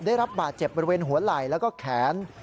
ได้รับบาดเจ็บบริเวณหัวไหล่แล้วก็แขน